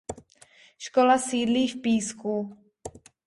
Škola sídlí v Písku.